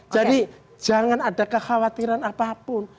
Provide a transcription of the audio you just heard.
jadi jangan ada kekhawatiran apapun